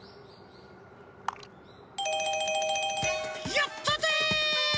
やったぜ！